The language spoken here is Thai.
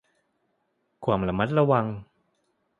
ความระมัดระวัง